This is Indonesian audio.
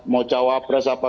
mau jawab pres apa